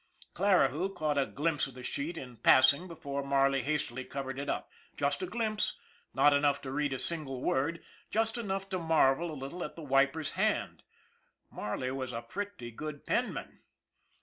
Clarihue caught a glimpse of the sheet in pass MARLEY 229 ing before Marley hastily covered it up just a glimpse, not enough to read a single word, just enough to mar vel a little at the wiper's hand. Marley was a pretty good penman.